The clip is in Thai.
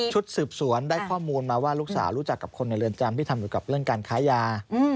ชุดสืบสวนได้ข้อมูลมาว่าลูกสาวรู้จักกับคนในเรือนจำที่ทำเกี่ยวกับเรื่องการค้ายา